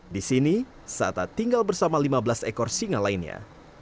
di sini sata tinggal bersama lima belas ekor singa lainnya